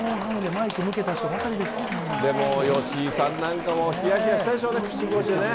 でも、吉井さんなんかもひやひやしたでしょうね、ピッチングコーチ。